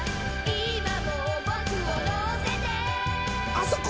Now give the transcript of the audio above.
あそこ！